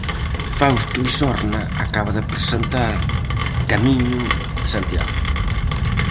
Fausto Isorna acaba de presentar "Camiño de Santiago".